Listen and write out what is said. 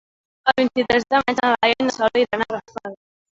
El vint-i-tres de maig na Laia i na Sol iran a Rafal.